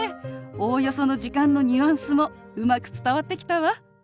おおよその時間のニュアンスもうまく伝わってきたわ。